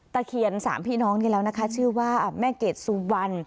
เคียนสามพี่น้องนี่แล้วนะคะชื่อว่าแม่เกดสุวรรณ